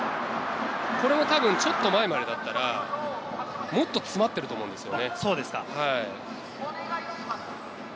これもたぶん、ちょっと前までだったら、もっと詰まってると思うんですよね。